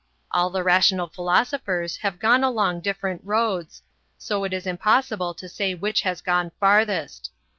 All the rational philosophers have gone along different roads, so it is impossible to say which has gone farthest.